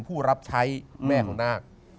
ผู้รับใช้แม่ของนาค